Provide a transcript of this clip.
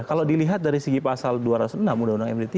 kalau dilihat dari segi pasal dua ratus enam undang undang md tiga